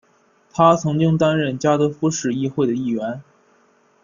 他曾经担任加的夫市议会的议员。